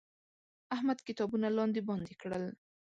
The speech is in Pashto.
احمد کتابونه لاندې باندې کړل.